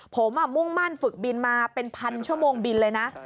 ผมมุ่งมั่นฝึกบินมาเป็นพันชั่วโมงบินเลยนะ